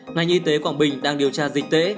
ngành y tế quảng bình đang điều tra dịch tễ